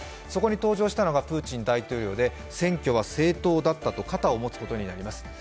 そこに登場したのがプーチン大統領で選挙は正当だったと肩を持つことになります。